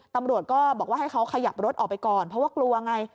ตำรวจก็บอกว่าให้เขาขยับรถออกไปก่อนเพราะว่ากลัวไง